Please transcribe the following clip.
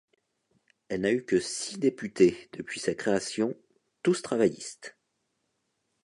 Elle n'a eu que six députés depuis sa création tous travaillistes.